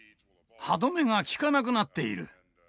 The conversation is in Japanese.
歯止めが利かなくなっている。